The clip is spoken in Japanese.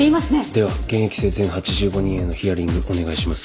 では現役生全８５人へのヒアリングお願いします。